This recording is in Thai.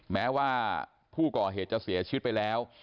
แม้ว่าผู้ก่อเหตุจะเสียชีวิตไปแล้ว